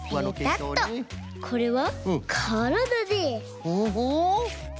これはからだです。